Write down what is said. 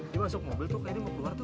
dia masuk mobil tuh kaya dia mau keluar tuh